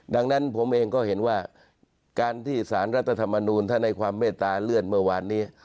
ดังนั้นผมเองก็เห็นว่าการที่สารรัฐธรรมนูลท่านให้ความเมตตาเลื่อนเมื่อวานนี้